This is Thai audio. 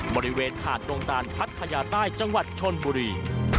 บริเวณหาดดงตานพัทยาใต้จังหวัดชนบุรี